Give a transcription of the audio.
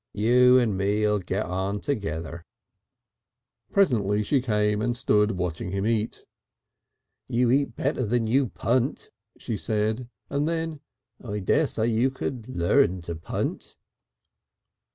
You and me'll get on together." Presently she came and stood watching him eat. "You eat better than you punt," she said, and then, "I dessay you could learn to punt."